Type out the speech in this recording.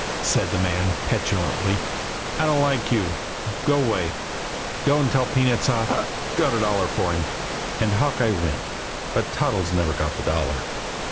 said the man petulantly. "I don't like you. Go 'way! Go an' tell peanuts I hic! got a dollar for him." And Hawkeye went but Toddles never got the dollar.